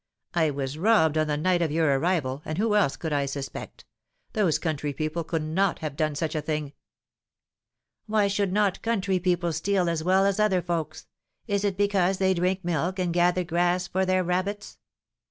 "I was robbed on the night of your arrival, and who else could I suspect? Those country people could not have done such a thing." "Why should not country people steal as well as other folks? Is it because they drink milk and gather grass for their rabbits?"